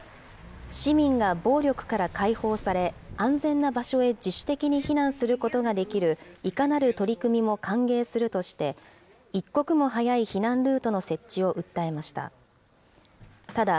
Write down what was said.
市民が暴力から解放され、安全な場所へ自主的に避難することができる、いかなる取り組みも歓迎するとして、一刻も早い避難ルートの設置を訴えました。